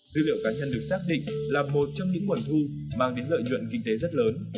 dữ liệu cá nhân được xác định là một trong những nguồn thu mang đến lợi nhuận kinh tế rất lớn